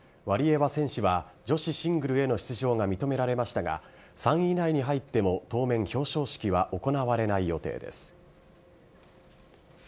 ワリエワ選手は女子シングルへの出場が認められましたが、３位以内に入っても、当面、表彰式は行われない予定です。